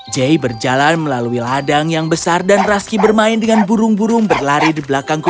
jay berjalan melalui ladang yang besar dan raski bermain dengan burung burung berlari di belakang kota